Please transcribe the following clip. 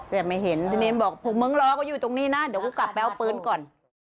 แต่ไม่เห็นเจ๊เลนบอกพูดเม้นร้อยก็อยู่ตรงนี้นะเดี๋ยวกลับมาเอาปืนก่อน